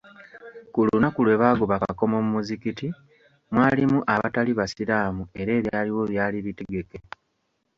Ku lunaku lwe baagoba Kakomo mu muzikiti mwalimu abatali basiraamu era ebyaliwo byali bitegeke.